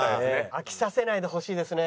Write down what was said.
飽きさせないでほしいですね。